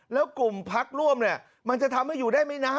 แล้วกลุ่มพักร่วมเนี่ยมันจะทำให้อยู่ได้ไหมนะ